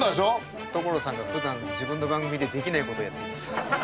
所さんがふだん自分の番組でできないことをやっています。